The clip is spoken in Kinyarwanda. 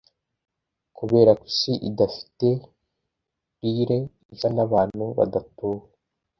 Kuberako isi idafite lyre isa nabantu badatuwe